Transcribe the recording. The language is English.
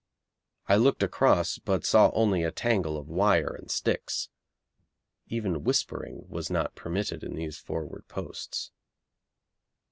I looked across, but saw only a tangle of wire and sticks. Even whispering was not permitted in these forward posts.